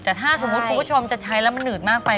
แต่ถ้าสมมุติคุณผู้ชมจะใช้แล้วมันหืดมากไป